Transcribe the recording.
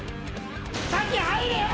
先に入れよ！